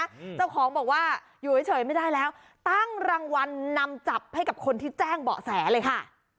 เจ้าของบอกว่าอยู่เฉยเฉยไม่ได้แล้วตั้งรางวัลนำจับให้กับคนที่แจ้งเบาะแสเลยค่ะ